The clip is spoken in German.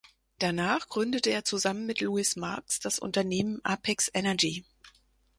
Danach gründete er zusammen mit Louis Marx das Unternehmen Apex Energy.